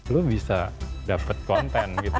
lo bisa dapat konten gitu